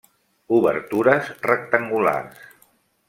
Obertures rectangulars.